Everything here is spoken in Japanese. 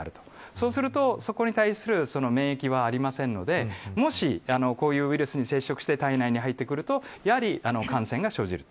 そうすると、そこに対する免疫はありませんので、もしこういうウイルスに接触して体内に入ってくると感染が生じる。